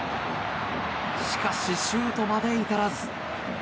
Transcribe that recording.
しかしシュートまで至らず。